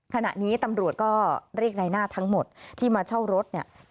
ขณะนี้ตำรวจก็เรียกในหน้าทั้งหมดที่มาเช่ารถเนี่ย